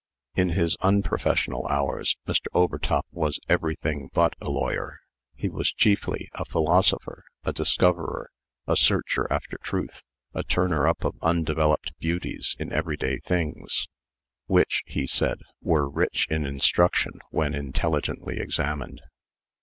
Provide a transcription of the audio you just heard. In his unprofessional hours, Mr. Overtop was everything but a lawyer. He was chiefly a philosopher, a discoverer, a searcher after truth, a turner up of undeveloped beauties in every day things, which, he said, were rich in instruction when intelligently examined.